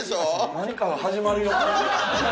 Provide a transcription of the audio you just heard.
何かが始まる予感。